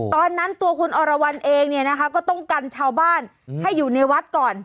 ตอนนั้นตัวคุณอรวรรณเองเนี่ยนะคะก็ต้องกันชาวบ้านให้อยู่ในวัดก่อน